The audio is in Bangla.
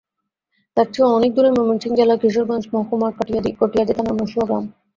তার চেয়েও অনেক দূরে ময়মনসিংহ জেলার কিশোরগঞ্জ মহকুমার কটিয়াদি থানার মসুয়া গ্রাম।